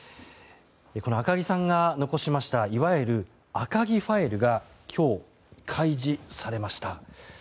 この赤木さんが残しましたいわゆる赤木ファイルが今日、開示されました。